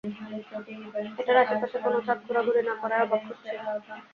এটার আশে পাশে কোনো চাঁদ ঘোরাঘুরি না করায় অবাক হচ্ছি।